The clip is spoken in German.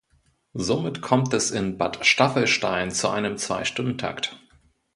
Somit kommt es in Bad Staffelstein zu einem Zweistundentakt.